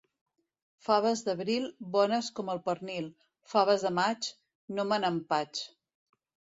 Faves d'abril, bones com el pernil; faves de maig, no me n'empatx.